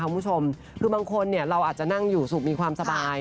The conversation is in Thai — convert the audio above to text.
คุณผู้ชมคือบางคนเราอาจจะนั่งอยู่สุขมีความสบาย